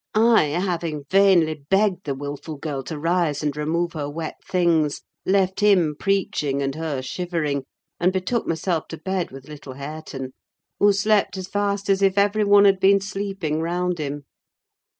I, having vainly begged the wilful girl to rise and remove her wet things, left him preaching and her shivering, and betook myself to bed with little Hareton, who slept as fast as if everyone had been sleeping round him.